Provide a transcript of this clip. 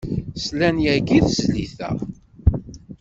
Slan yagi i tezlit-a.